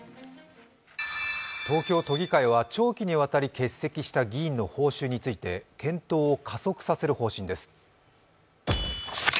東京都議会は長期にわたり欠席した議員の報酬について検討を加速させる方針です。